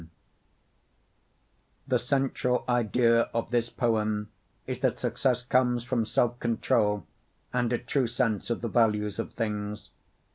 IF The central idea of this poem is that success comes from self control and a true sense of the values of things.